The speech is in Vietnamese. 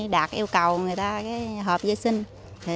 đạt yêu cầu người ta hợp giới sinh